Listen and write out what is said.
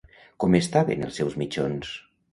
Com estaven els seus mitjons?